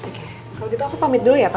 oke kalau gitu aku pamit dulu ya pak